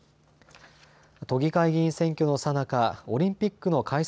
都議会議員選挙のさなかオリンピックの開催